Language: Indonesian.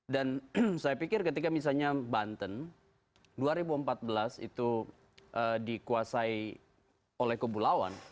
dan saya pikir ketika misalnya banten dua ribu empat belas itu dikuasai oleh kubu lawan